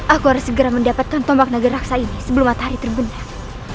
aku harus segera mendapatkan tombak naga raksa ini sebelum matahari terbenam